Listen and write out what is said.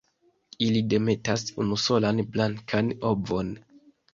Ili demetas unusolan blankan ovon.